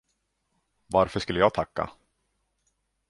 Varför skulle jag tacka?